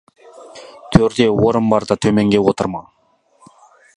Төрде орын барда, төменге отырма.